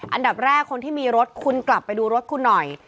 อันดับแรกคนที่มีรถคุณกลับไปดูรถคุณหน่อย